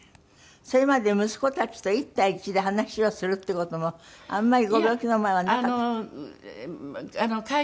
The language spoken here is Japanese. それまで息子たちと１対１で話をするって事もあんまりご病気の前はなかった？